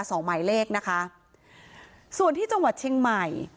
สองหมายเลขนะคะส่วนที่จังหวัดเชียงใหม่